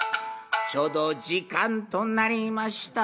ちょうど時間となりました